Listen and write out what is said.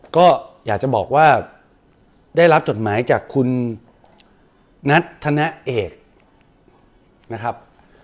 ก็อยากจะบอกว่าได้รับจดหมายจากคุณนัทธนเอกนะครับ